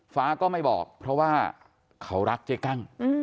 ก็ไม่บอกเพราะว่าเขารักเจ๊กั้ง